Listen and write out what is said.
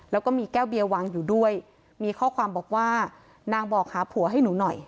แล้วก็มีแก้วเบียร์วางอยู่ด้วยมีข้อความบอกว่านางบอกหาผัวให้หนูหน่อย